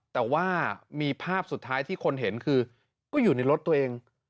แต่ว่ามีภาพสุดท้ายที่คนเห็นคือก็อยู่ในรถตัวเอง